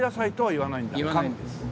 言わないんです。